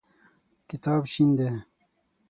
کتاب شین دی.